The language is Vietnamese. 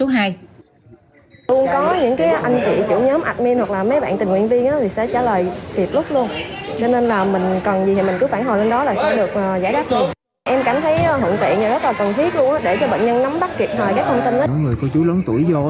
luôn có những cái anh chị chủ nhóm admin hoặc là mấy bạn tình nguyện viên